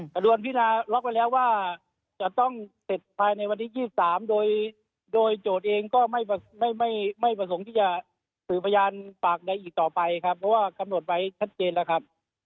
กระดวนพินาล็อกไว้แล้วว่าจะต้องเสร็จภายในวันที่๒๓โดยโดยโจทย์เองก็ไม่ประสงค์ที่จะสื่อพยานปากใดอีกต่อไปครับเพราะว่ากำหนดไว้ชัดเจนแล้วครับ